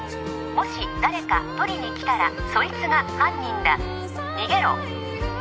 ☎もし誰か取りに来たら☎そいつが犯人だ逃げろ